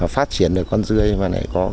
phát triển được con dươi và lại có cái